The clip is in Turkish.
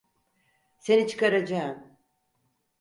Seni çıkaracağım.